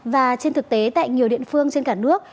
và trên thực tế tại nhiều địa phương trên cả nước